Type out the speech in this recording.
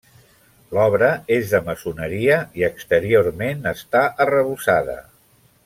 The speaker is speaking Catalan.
L'obra és de maçoneria i exteriorment està arrebossada.